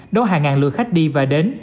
đói hàng ngàn lượt khách đi và đến